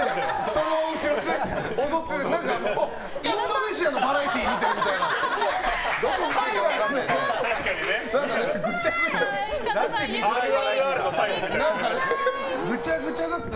その後ろで踊っててインドネシアのバラエティーみたいだった。